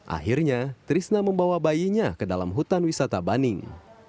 akhirnya trisna membawa bayinya ke dalam hutan wisata baning